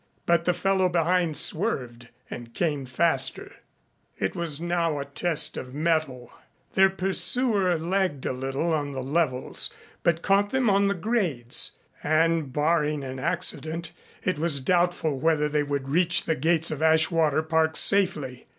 But the fellow behind swerved and came faster. It was now a test of metal. Their pursuer lagged a little on the levels but caught them on the grades and, barring an accident, it was doubtful whether they would reach the gates of Ashwater Park safely.